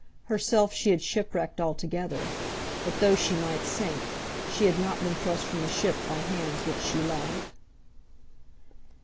Herself she had shipwrecked altogether; but though she might sink, she had not been thrust from the ship by hands which she loved.